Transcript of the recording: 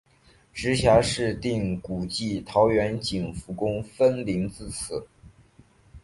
直辖市定古迹桃园景福宫分灵自此。